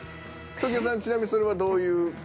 時生さんちなみにそれはどういう？